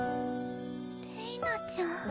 れいなちゃん。